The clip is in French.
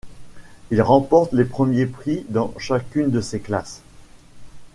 Il remporte les premiers prix dans chacune de ses classes.